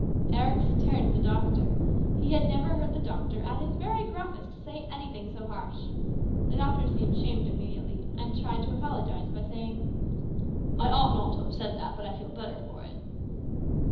Eric stared at the doctor. He had never heard the doctor at his very gruffest say anything so harsh. The doctor seemed ashamed immediately and tried to apologise by saying : "I ought not to have said that, but I feel better for it."